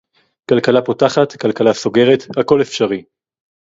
כלכלה פותחת, כלכלה סוגרת, הכול אפשרי